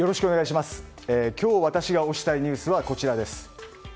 今日、私が推したいニュースはこちら。